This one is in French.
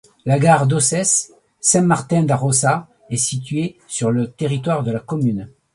La gare d'Ossès - Saint-Martin-d'Arrossa est située sur le territoire de la commune.